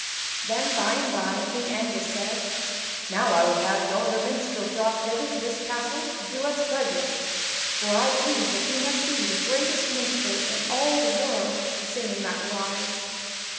Then by and by King Angus said: "Now I will have yonder minstrel brought thither to this castle to do us pleasure, for I believe that he must be the greatest minstrel in all the world to sing in that wise."